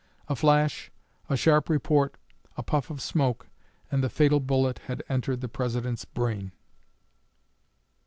A flash, a sharp report, a puff of smoke, and the fatal bullet had entered the President's brain.